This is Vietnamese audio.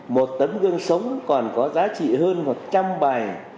một tấm gương sống còn có giá trị hơn một trăm linh bài